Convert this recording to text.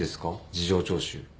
事情聴取。